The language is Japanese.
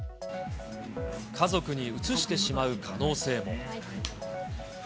家族にうつしてしまう可能性も。